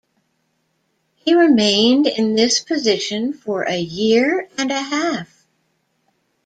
He remained in this position for a year and a half.